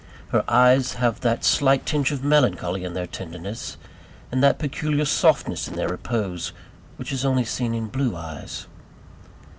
Her eyes have that slight tinge of melancholy in their tenderness, and that peculiar softness in their repose, which is only seen in blue eyes.